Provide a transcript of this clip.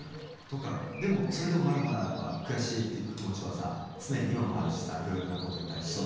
でもそれでもまだまだやっぱ悔しいっていう気持ちはさ常に今もあるしさいろいろなことに対してさ。